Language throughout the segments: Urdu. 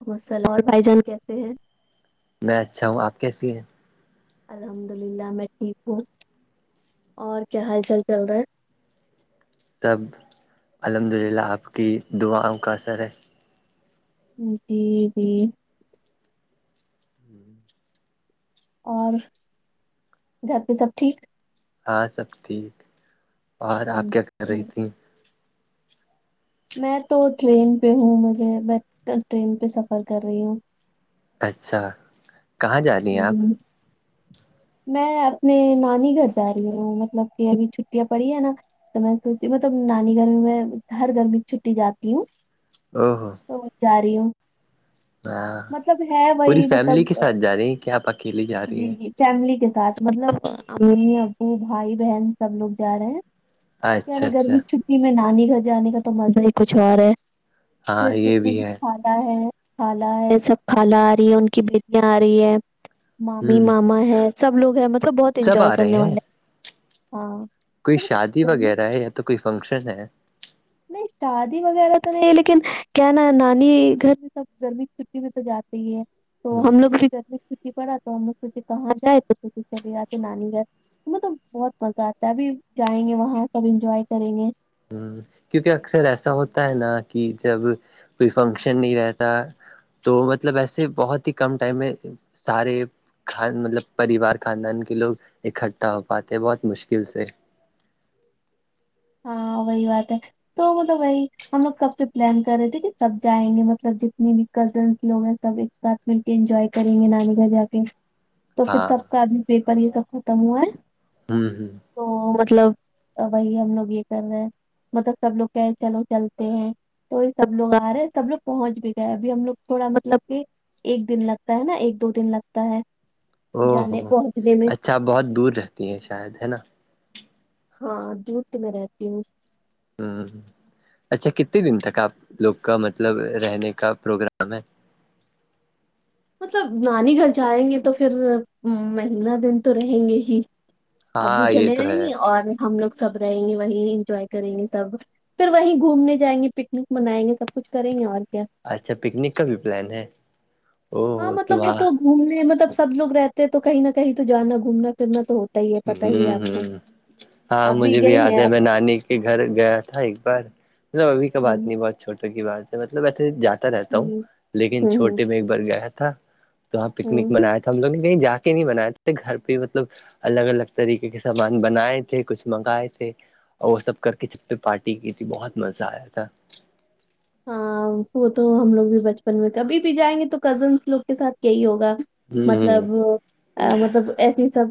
[unintelligible] اور بھائی جان کیسے ہیں میں اچھا ہوں آپ کیسی ہیں الحمد للہ میں ٹھیک ہوں اور کیا حال چال چل رہا ہے سب الحمد للہ آپ کی دعاؤں کا اثر ہے جی جی اور گھر پہ سب ٹھیک ہاں سب ٹھیک اور آپ کیا کر رہی تھیں میں تو ٹرین پہ ہوں مجھے بٹ ٹرین پہ سفر کر رہی ہوں اچھا کہاں جا رہی ہیں آپ ہوں میں اپنے نانی گھر جا رہی ہوں مطلب کہ ابھی چھٹیاں پڑی ہے نا تو میں سوچی مطلب نانی گھر میں میں ہر گھر میں چھٹی جاتی ہوں او ہ تو جا رہی ہوں ہاں مطلب ہے پوری وہی فیملی مطلب کے ساتھ جا رہی ہیں کیا آپ اکیلیے جا رہی جی ہیں جی فیملی کے ساتھ مطلب امی ابو بھائی بہن سب لوگ جا رہے ہیں کیا اچھا نا اچھا گرمی چھٹی میں نانی گھر جانے کا تو مزہ ہی کچھ اور ہے پھر ہاں یہ جتنے بھی ہے خالہ ہے خالہ ہے سب خالہ آ رہی ہے ان کی بیٹیاں آ رہی ہے مامی ہ ماما ہے سب لوگ ہیں مطلب بہت سب انجوائے آ کرنے رہے والے ہیں ہاں کوئی مطلب شادی گرمی وغیرہ کی ہے یا تو کوئی فنکشن ہے نہیں شادی وغیرہ تو نہیں لیکن کیا نا نانی گھر میں سب گرمی چ بھی تو جات ہی ہے تو ہ ہم لوگ بھی گمی چھٹی پڑا تو ہم کہاں جائے تو چلیے جاتے نانی گھر مطلب بہت مزہ آتا ہے ابھی جائیں گے وہاں سب انجوائے کریں گے ہ کیونکہ اکثر ایسا ہوتا ہے نا کہ جب کوئی فنکشن نہیں رہتا تو مطلب ایسے بہت ہی کم ٹائم میں سارے خان مطلب پریوار خاندان کے لوگ اکٹھا ہو پاتے ہیں بہت مشکل سے ہاں وہی بات ہے تو مطلب بائی ہم لوگ کب سے پلان کر رہے تھے کہ سب جائیں گے مطلب جتنی بھی کزنس لوگ ہیں سب سات میں انجوائے کریں گے نانی گھر جا کے تو پھر ہاں سب کا ابھی پیپر یہ سب ختم ہوا ہے ہوں ہوں تو مطلب وہی ہم لوگ یہ کر رہے ہیں مطلب سب لوگ کہیں چلو چلتے ہیں تو یہ سب لوگ آ رہے ہیں سب لوگ پہنچ بھی گئے ہیں ابھی ہم لوگ تھوڑا مطلب کہ ایک دن لگتا ہے نا ایک دو دن لگتا ہے او ہو جانے پہنچنے میں اچھا بہت دور رہتی ہیں شاید ہے نا ہاں دور تو میں رہتی ہوں ہوں اچھا کتنے دن تک آپ لوگ کا مطلب رہنے کا پروگرام ہے مطلب نانی گھر جائیں گے تو پھر مہینہ دن تو رہیں گے ہی ابو ہاں یہ چلے تو جائیں ہے گے اور ہم لوگ سب رہیں گے وہیں انجوائے کریں گے سب پھر وہیں گھومنے جائیں گے پکنک منائیں گے سب کچھ کریں گے اور کیا اچھا پکنک کا بھی پلان ہے ہاں او مطلب وہ وہاں تو گھومنے مطلب سب لوگ رہتے ہیں تو کہیں نہ کہیں تو جانا گھومنا پھرنا تو ہوتا ہی ہے پتا ہی ہے آپ ہ کو ہ ہاں آپ مجھے بھی گئے یاد ہیں ہے آپ میں نانی کے گھر گیا تھا ایک بار مطلب ابھی کا بات ہوں نہیں بہت چھوٹے کی بات ہے مطلب ایسے جاتا رہتا ہوں لیکن ہوں چھوٹے میں ایک بار گیا تھا وہاں پکنک ہوں منایا تھا ہم لوگ نے کہیں جا کے نہیں بنایا تھے گھر پہ مطلب الگ الگ طریقے کے سامان بنائے تھے کچھ منگائے تھے اور وہ سب کر کے چ پہ پارٹی کی تھی بہت مزہ آیا تھا ہاں وہ تو ہم لوگ بھی بچپن میں کبھی بھی جائیں گے تو کزنس لوگ کے ساتھ یہی ہوگا ہ مطلب ا مطلب ایسی سب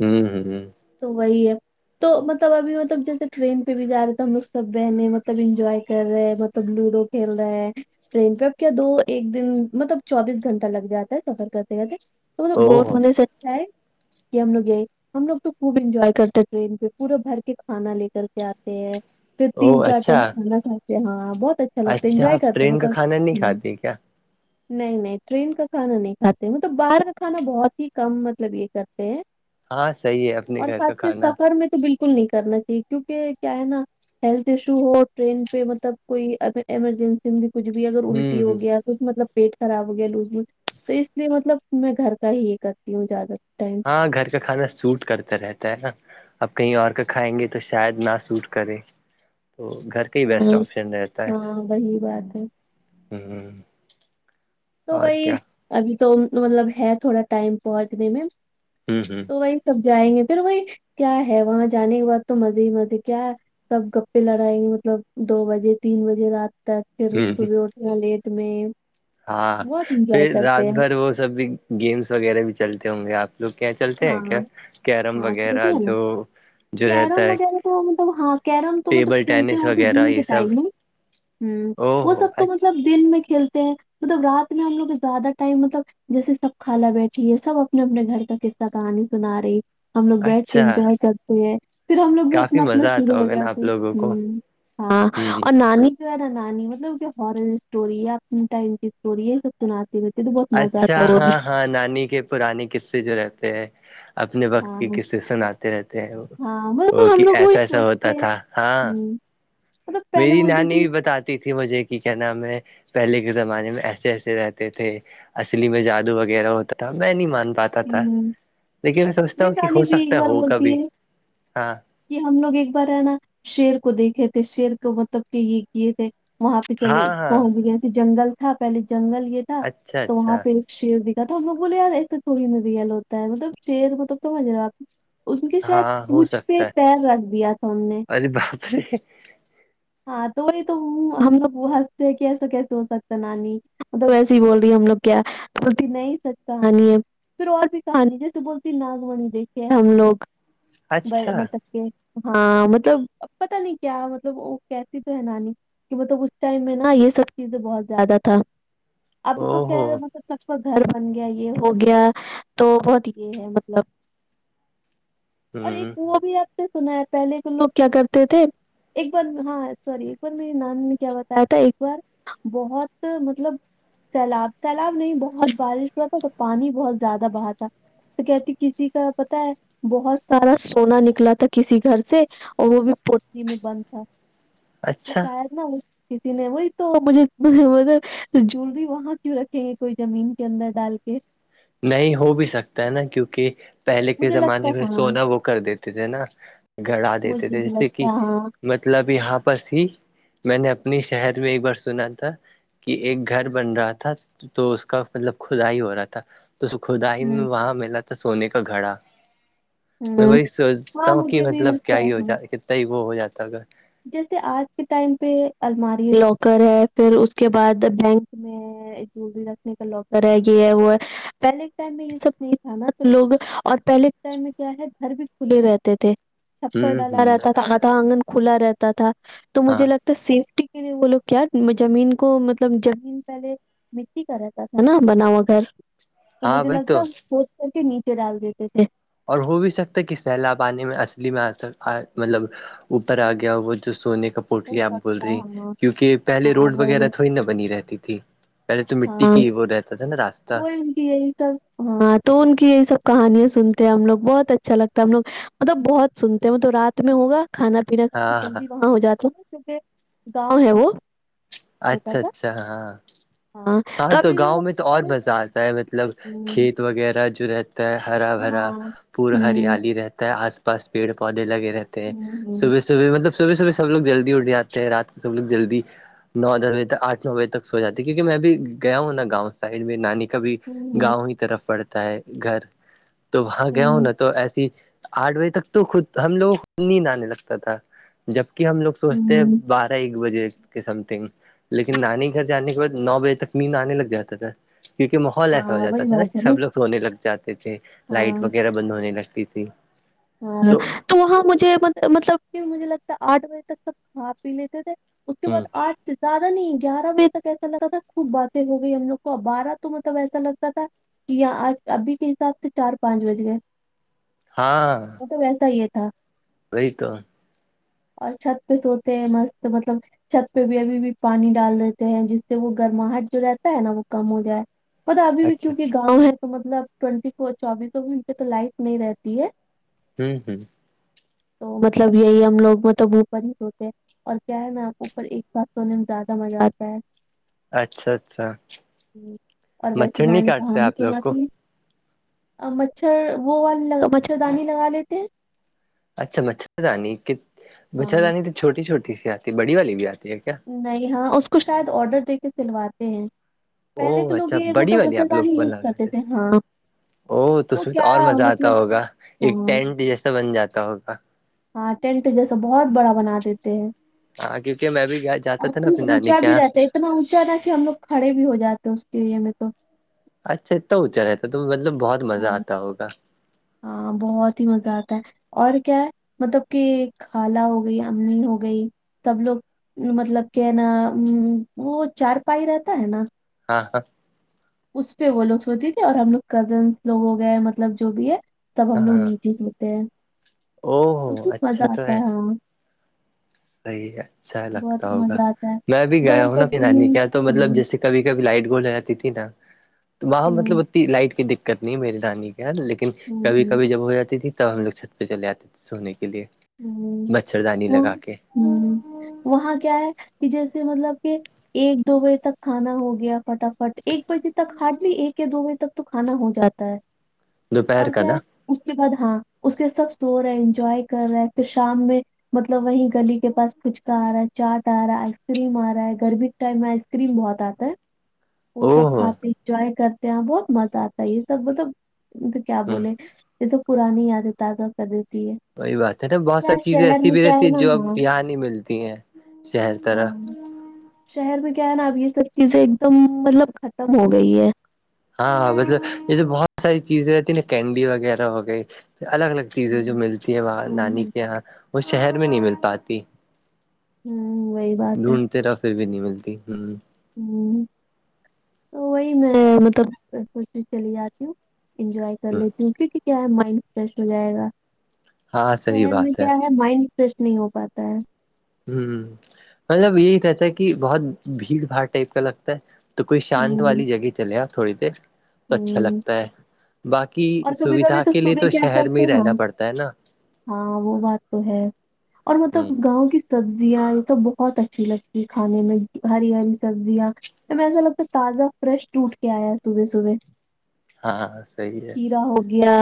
ہوں ہ ہ تو وہی ہے تو مطلب ابھی مطلب جیسے ٹرین پہ بھی جارہے تو ہم لوگ سب بہنے مطلب انجوائے کر رہے ہیں مطلب لڈو کھیل رہے ہیں ٹرین پہ اب کیا دو ایک دن مطلب چوبیس گھنٹہ لگ جاتا ہے سفر کرتے کرتے تو بہت او ہونے سے اچھا ہے کہ ہم لوگ گئے ہم لوگ تو خوب انجوائے کرتے ٹرین پہ پورا بھر کے کھانا لے کر کے آتے ہے پھر او تین چار اچھا ٹائم کھانا کھاتے ہے ہاں بہت اچھا لگتا ہے اچھا انجوائے آپ کرتے ہیں ٹرین کا کھانا نہیں مطلب کھاتے کیا نہیں نہیں ٹرین کا کھانا نہیں کھاتے ہیں مطلب باہر کا کھانا بہت ہی کم مطلب یہ کرتے ہیں ہاں صحیح ہے اپنے اور گھر کا اس کھانا سفر میں تو بالکل نہیں کرنا چاہیے کیونکہ کیا ہے نا ہیلتھ ایشو ہو ٹرین پہ مطلب کوئی ا ایمرجنسی میں بھی کچھ بھی اگر ہوں الٹی ہ ہو گیا مطلب پیٹ خراب ہو گیا لوزم تو اس لیے مطلب میں گھر کا ہی یہ کرتی ہوں زیادہ ٹائم ہاں گھر کا کھانا سوٹ کرتا رہتا ہے نا اب کہیں اکر کھائیں گے تو شاید نہ سوٹ کرے تو گھر یہ ہی بیسٹ ہاں آپشن رہتا ہے ہاں وہی بات ہے ھھم تو وہی ابھی تو مطلب ہے تھوڑا ٹائم پہنچنے میں ھھم ھھم تو وہی سب جائیں گے پھر وہی کیا ہے وہاں جانے کے بعد تو مزے ہی مزے کیا سب گپے لڑائیں گے مطلب دو بجے تین بجے رات تک پھر ہ صبح اٹنا لیٹ میں ہاں بہت انجوائے پھر رات کرتے ہیں بھر وہ سب بھی گیمس وغیرہ بھی چلتے ہوں گے آپ لوگ کیا چلتے ہیں ہاں کیا کیرم ہاں چوٹی وغیرہ ہے نا جو جو کیرم رہتا ہے وغیرہ تو مطلب ہاں کیرم تو مطلب ٹیبل کھیلتے ٹینس ہو تو وغیرہ دن یہ کے سب ٹائم میں ہ او وہ سب ہو تو اچھا مطلب دن میں کھیلتے ہیں مطلب رات میں ہم لوگ زیادہ ٹائم مطلب جیسے سب خالہ بیٹھی ہے سب اپنے اپنے گھر کا کہ کہانی سنا رہی ہم لوگ بیٹھ کے اچھا انجوائے کرتے ہیں پھر ہم لوگ بھی کافی اپنا اپنا مزہ شروع آتا ہو ہوگا نا آپ جاتے لوگوں کو ہ ہاں ہ اور نانی جو نا نانی مطلب ہورن اسٹوری ہے اپنی ٹائم کی اسٹوری ہے یہ سب سنات [unintelligible] اچھا ہاں ہاں نانی کے پرانے قصے جو رہتے ہیں اپنے وقت ہاں کے کسے سناتے رہتے ہیں ہاں وہ مطلب ہم کہ لوگ وہی ایسا ایسا سوچتے ہوتا ہیں تھا ہاں ہوں مطلب پہلے میری بولتی نانی تھی بھی بتاتی تھی مجھے کی کا نام ہے پہلے کے زمانے میں ایسے ایسے رہتے تھے اصلی میں جادو وغیرہ ہوتا تھا میں نہیں مان پاتا تھا ہوں لیکن سوچتا میری ہوں کہ رانی ہو بھی ایک سکتا ہے بار ہو بولتی کبھی ہے ہاں کہ ہم لوگ ایک بار ہے نا شیر کو دیکھے تھے شیر کو مطلب کہ یہ کیے تھے وہاں پہ ہاں چلے ہاں پہنچ گیا کہ جنگل تھا پہلے جنگل یہ تھا اچھا تو وہاں اچھا پہ شیر دکھا تو ہم لوگ بولے یار ایسے تھوڑی ریل ہوتا ہے مطلب شیر مطلب سمجھ رہے آپ ان کے ساتھ ہاں ہو پوچھ پہ سکتا ہے پیر رکھ دیا تھا ہم نے ارے باپ رے ہاں تو وہی تو ہم لوگ ہنستے ہیں کہ ایسا کیسے ہو سکتا ہے نانی مطلب ویسے ہی بول رہی ہے ہم لو کیا بولتی نہیں سچ کہانی ہے پھر اور بھی کہانی جیسے بولتی ناگ منی دیکھے ہم لوگ اچھا مطلب کہ ہاں مطلب پتا نہیں کیا مطلب وہ کہتی تو ہے نانی کہ مطلب اس ٹائم میں نا یہ سب چیزیں بہت زیادہ تھا اپ او تو کہہ ہو رہے مطلب گھر بن گیا یہ ہو گیا تو بہت یہ ہے مطلب اور ایک ہ وہ بھی آپ نے سنایا پہلے کے لوگ کیا کرتے تھے ایک بار ہاں سوری ایک بار میری نام نے کیا بتایا تھا ایک بار بہت مطلب سیلاب سیلاب نہیں بہت بارش ہوا تھا تو پانی بہت زیادہ بہا تھا سکیتی کسی کا پتا ہے بہت سارا سونا نکلا تھا کسی گھر سے اور وہ بھی پوٹلی میں بند تھا تو اچھا شاید نہ کسی نے وہی تو مجھے ما تو جوول بھی وہاں کیوں رکھیں گے کوئی زمین کے اندر ڈال کے نہیں ہو بھی سکتا ہے نا کیونکہ پہلے کے مجھے لگتا زمانے میں ہے ہاں سونا وہ کر دیتے تھے نا گڑا دیتے مجھے تھے بھی جیسے کہ لگتا ہے ہاں مطلب یہاں پرس ہی میں نے اپنے شہر میں ایک بار سنا تھا کہ ایک گھر بن رہا تھا تو اس کا مطلب کدا ہی ہو رہا تھا تو خدائین ہوں وہاں ملا تھا سونے کا گھڑا میں ہوں وہی سوچتا ہاں ہوں کہ مجھے بھی مطلب لگتا کیا ہے ہی ہو ہاں جاتا کتنا ہی وہ ہو جاتا ہے جیسے آج کے ٹائم پہ الماری لاکر ہے پھر اس کے بعد بینک میں دور بھی رکھنے کا لوکر ہے یہ ہے وہ ہے پہلے ٹائم میں یہ سب نہیں تھا نا تو لوگ اور پہلے کے ٹائم میں کیا ہے گھر بھی کھلے رہتے تھے چھپر ہوں ڈالا ہوں رہتا تھا آدھا آنگن کھلا رہتا تھا تو ہاں مجھے لگتا تو سیفٹی کے لیے وہ لوگ کیا زمین کو مطلب زمین پہلے مٹی کا رہتا تھا نا بناؤ و گھر تو ہاں مجھے بھائی لگتا ہے پھس کر کے نیچے ڈال دیتے تھے اور ہو بھی سکتا ہے کہ سیلاب آانی میں اصلی میں آک مطلب اوپر آ گیا وہ جو سونے کا ہو پٹلی آپ بول سکتا ہے رہی ہاں کیونکہ پہلے ہاں روڈ وغیرہ وہی تھوڑی نا بنی رہتی تھی پہلے تو مٹی ہاں کی وہ رہتا تھا نا راستہ تو ان کی یہی سب ہاں تو ان کی یہ سب کہانیاں سنتے ہیں ہم لوگ بہت اچھا لگتا ہے ہم لوگ مطلب بہت سنتے ہیں تو رات میں ہوگا کھانا پینا ہاں کا ہاں جلدی وہاں ہو جاتا نا کیونکہ گاؤں ہے وہ چھوٹا اچھا سا اچھا ہاں ہاں تو ابھی بھی گاؤں وہ میں تو اور مزہ آتا ہے مطلب ہوں، کھیت وغیرہ جو رہتا ہے ہرا بھرا ہاں پورا ہوں ہریالی رہتا ہے آس پا پاس پیڑ پودے لگے رہتے ہیں ہوں ہوں سب صبح مطلب صبح صبح سب لوگ جلدی اٹھ جاتے ہیں رات سب لو جلدی نو دس بجےک آھ نو بجےک سو جاتی کیونک میں بھی گیا ہوں نا گاؤں سائڈ میں نانی کا بھی ہوں گاؤں ہی طرف پڑتا ہے گھر تو وہاں گیا ہوں نا تو ایسی آٹھ بجے تک تو خود ہم لوگوں خود نیند آنے لگتا تھا جبک ہم لوگ سوچتے ہیں ہوں بار ایک بجے کے سم تھنگ لیکن نانی گھر جانے کے بعد نو بجے تک نیند آنے لگ جاتا تھا کیو کے ماحول ایسا ہو ہاں جاتا وہی تھا نا بات ہے سب لوگ سونے لگ جاتے تھے لائٹ ہاں وغیرہ بند ہونے لگتی تھی ہاں تو وہاں مجھے مطلب پھر مجھے لگتا ہے آٹھ بجے تک سب کھا پی لیتے تھے اس کے ہ بعد آٹھ سے زیادہ نہیں گیارہ بجے تک ایسا لگا تھا خوب باتیں ہو گئی ہم لوگ بارہ تو مطلب ایسا لگتا تھا کہ یہ آج ابھی کے حساب سے چار پانچ بج گئے ہاں تو ویسا یہ تھا وہی تو اور چھت پہ سوتے ہیں مست مطلب چھت پہ بھی ابھی بھی پانی ڈال دیتے ہیں جس سے وہ گرماہٹ جو رہتا ہے نا وہ کم ہو جائے پتا ابھی بھی اچھا کیونکہ اچھا گاؤں ہے تو مطلب ٹوینٹی فور چوبیسو گھنٹے تو لائف نہیں رہتی ہے ہوں ہوں مطلب یہی ہم لوگ مطلب اوپر ہی سوتے ہے اور کیا ہے نا آپ اوپر ایک ساتھ سونے میں زیادہ مزہ آتا ہے اچھا اچھا اور ویسی مچھر نہیں نانی کاٹتے کہانی آپ لوگ کو سناتی ہے مچھر وہ والی لگا مچھردانی لگا لیتے ہیں اچھا مچھردانی ہاں مچھردانی تو چھوٹی چھوٹی سی آتی ہے بڑی والی بھی آتی ہے کیا نہیں ہاں اس کو شاید آڈر دے کے سلواتے ہیں او پہلے کے لوگ اچھا یہ بڑی مطلب والی آپ لوگ مچھردانی کو یوز کرتے لگاتے تھے ہاں او تو اس میں تو کیا اور مزہ آتا مطلب ہوگا ایک ہاں ٹینٹ جیسا بن جاتا ہوگا ٹینٹ جیسا بہت بڑا بنا دیتے ہیں ہاں کیونکہ میں بھی جاتا اور تھا نا خوب اپنی نانی اونچا کے بھی یہاں رہتا ہے اتنا اونچا تھا کہ ہم لوگ کھڑے بھی ہو جاتے ہیں اس کے لیے میں تو اچھا اتتا اچا رہتا تو مطلب بہت مزہ ہاں آتا ہوگا ہاں بہت ہی مزہ آتا ہے اور کیا ہے مطلب کہ خالہ ہو گئی امی ہو گئی سب لوگ مطلب کہ ہے نا وہ چارپائی رہتا ہے نا ہاں اس پہ وہ لوگ سوتی تھے اور ہم لوگ کزنس لوگ ہو گئے مطلب جو بھی ہے سب ہم ہاں لوگ ہاں نیچے سوتے ہیں او تو بہت اچھا مزہ تو آتا ہے ہاں صحیح ہے اچھا بہت لگتا ہی ہوگا مزہ آتا ہے میں بھی تو گیا وہ ہوں نا سب اپنی دن نانی ہوں کے یہاں تو مطلب ہوں جیسے کبھی کبھی لائٹ گول ہو جاتی تھی نا تو وہاں مطلب اتی لائٹ کی دقت نہیں میری نانی کے لیکن ہوں کبھی ہوں کبھی جب ہو جاتی تھی تب ہم لوگ چھت پے چلے جاتے تھے سونے کے لیے ہوں مچھردانی وہ لگا کے ہوں وہاں کیا ہے کہ جیسے مطلب کہ ایک دو بجے تک کھانا ہو گیا فٹافٹ ایک بجے تک ہارڈلی ایک یا دو بجے تک تو کھانا ہو جاتا ہے دوپہر اور کا کیا نا ہے اس کے بعد ہاں اس کے سب سو رہے ہیں انجوائے کر رہے ہیں پھر شام میں مطلب وہیں گلی کے پاس فچکا آ رہا ہے چاٹ آ رہا ہے آئس کریم آ رہا ہے گرمی اس ٹائم میں آئس کریم بہت آتا ہے وہ او سب ہو کھاتے انجوائے کرتے ہیں بہت مزہ آتا ہے یہ سب مطلب کیا ہ بولے یہ سب پرانی یادیں تازہ کر دیتی ہے وہی بات ہے نا بہت کیا ساری چیزیں شہر ایسی میں بھی کیا رہتی ہے نا جو اب ہاں یہاں نہیں ملتی ہیں شہر طرف ہاں شہر میں کیا ہے نا اب یہ سب چیزیں ایک دم مطلب ختم ہو گئی ہے ہاں ہاں مطلب یہ تو بہت ساری چیزیں رہتی نا کینڈی وغیرہ ہو گئی الگ الگ چیزیں جو ہوں ملتی ہے وہاں نانی ہوں کے یہاں وہ شہر میں نہیں مل پاتی ہمم وہی بات دھند تے رہو پھر بھی نہیں ملتی ہمم ہمم تو وہی میں مطلب سوچ چلی جاتی ہوں انجوائے کر لیتی ہوں کیوکی کیا ہے مائنڈ فریش ہو جائے گا ہاں صحیح شہر میں بات کیا ہے مائنڈ فریش نہیں ہو پاتا ہے ہمم مطلب یہی کہتا ہے کہ بہت بھیڑ بھاڑ ٹائپ کا لگتا ہے تو کوئی شانت ہوں والی جگہ چلے جاؤ تھوڑی دیر تو اچھا ہوں لگتا ہے باقی کی اور کبھی سویدھا کبھی کے لیے صبح تو کیا شہر میں کرتے ہی ہیں رہنا پڑتا ہے نا ہاں وہ بات تو ہے اور ہ مطلب گاؤں کی سبزیاں یہ سب بہت اچھی لگتی کھانے میں ہری ہری سبزیاں میں ایسا لگتا ہے تازہ فریش ٹوٹ کے آیا ہے صبح صبح ہاں ہاں صحیح ہے کھیرا ہو گیا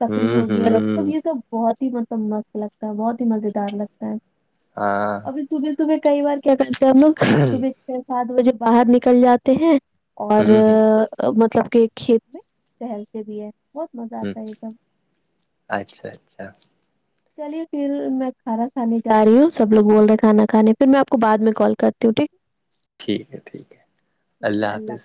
ککڑی ہوں ہو گیا مطلب ہوں یہ سب بہت ب ہی مطلب مست لگتا ہے بہت ہی مزے دار لگتا ہے ہاں اور پھر صبح صبح کئی بار کیا کرتے ہیں ہم لوگ صبح چھ سات بجے باہر نکل جاتے ہیں اور ہوں ہ مطلب کہ کھیت میں ٹہلتے بھی ہے بہت مزہ ہ آتا ہے ایک دم اچھا اچھا چلیے پھر میں کھانا کھانے جا رہی ہوں سب لوگ بول رہے ہیں کھانا کھانے پھر میں آپ کو بعد میں کال کرتی ہوں ٹھیک ٹھیک ہے ٹھیک ہے اللہ حافظ